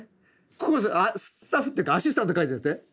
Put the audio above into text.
ここはスタッフっていうかアシスタント描いてるんですね。